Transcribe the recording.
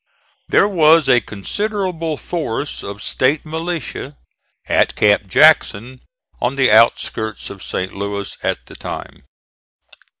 There was a considerable force of State militia at Camp Jackson, on the outskirts of St. Louis, at the time.